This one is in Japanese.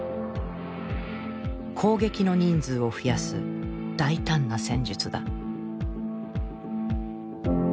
攻撃の人数を増やす大胆な戦術だ。